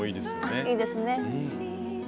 あいいですね。